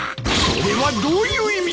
それはどういう意味だ！